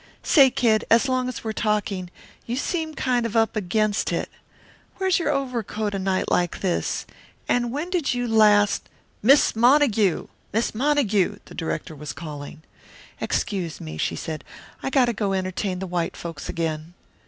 "Say, Kid, as long as we're talking, you seem kind of up against it. Where's your overcoat a night like this, and when did you last " "Miss Montague! Miss Montague!" The director was calling. "Excuse me," she said. "I got to go entertain the white folks again."